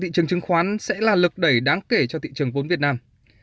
thị trường chứng khoán sẽ là lực đẩy đáng kể cho thị trường vốn việt nam